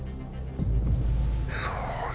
そうね。